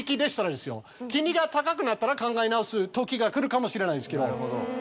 金利が高くなったら考え直すときがくるかもしれないですけど。